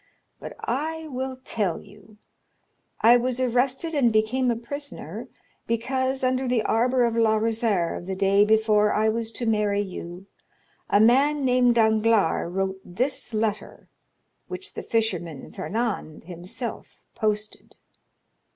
But I will tell you. I was arrested and became a prisoner because, under the arbor of La Réserve, the day before I was to marry you, a man named Danglars wrote this letter, which the fisherman Fernand himself posted."